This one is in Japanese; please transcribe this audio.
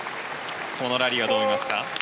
このラリーはどう思いますか？